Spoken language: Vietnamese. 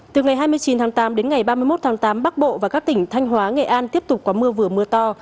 từ ngày hai mươi chín tháng tám đến ngày ba mươi một tháng tám bắc bộ và các tỉnh thanh hóa nghệ an tiếp tục có mưa vừa mưa to